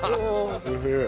すげえ。